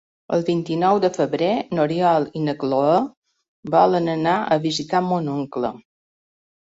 El vint-i-nou de febrer n'Oriol i na Cloè volen anar a visitar mon oncle.